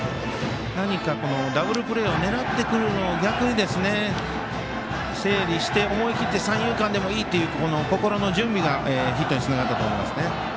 何か、ダブルプレーを狙ってくるのを逆に整理して、思い切って三遊間でもいいという心の準備がヒットにつながったと思います。